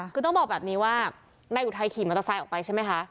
คือต้องบอกแบบนี้ว่านายอุทัยขี่มอเตอร์ไซค์ออกไปใช่ไหมคะ